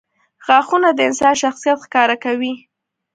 • غاښونه د انسان شخصیت ښکاره کوي.